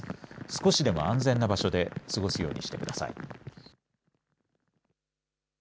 少しでも安全な場所で過ごすようにしてください。